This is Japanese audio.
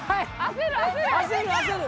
焦る焦る。